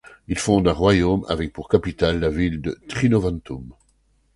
Il fonde un royaume avec pour capitale la ville de Trinovantum.